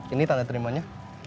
ini tanda terimanya